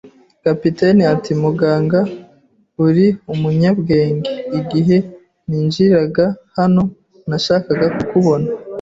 Kapiteni ati: "Muganga, uri umunyabwenge. Igihe ninjiraga hano nashakaga kubona